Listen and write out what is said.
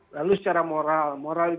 lalu secara moral